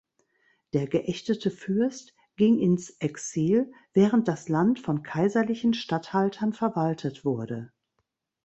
Der geächtete Fürst ging ins Exil, während das Land von kaiserlichen Statthaltern verwaltet wurde.